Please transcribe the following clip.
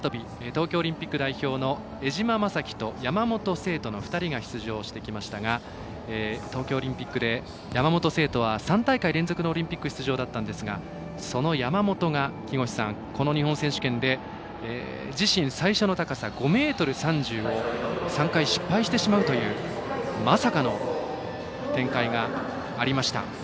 東京オリンピック代表の江島雅紀と山本聖途の２人が出場してきましたが東京オリンピックで山本聖途は３大会連続のオリンピック出場だったんですがその山本が、この日本選手権で自身最初の高さ５ｍ３０を３回失敗してしまうというまさかの展開がありました。